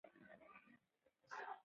د غرو لمنې په شنه رنګ پوښل شوې دي.